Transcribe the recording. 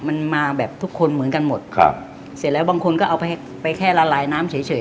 มันมาแบบทุกคนเหมือนกันหมดครับเสร็จแล้วบางคนก็เอาไปให้ไปแค่ละลายน้ำเฉยเฉย